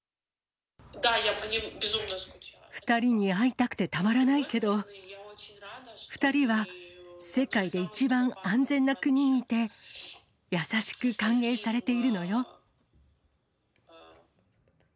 ２人に会いたくてたまらないけど、２人は世界で一番安全な国にいて、優しく歓迎されているのよ。